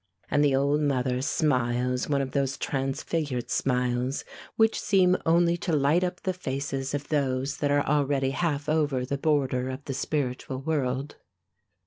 And the old mother smiles one of those transfigured smiles which seem only to light up the faces of those that are already half over the border of the spiritual world.